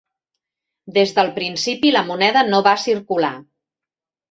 Des del principi, la moneda no va circular.